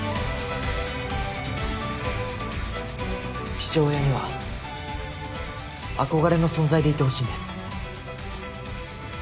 父親には憧れの存在でいてほしいんです。